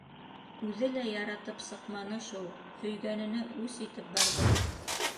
Үҙе лә яратып сыҡманы шул. һөйгәненә үс итеп барҙы.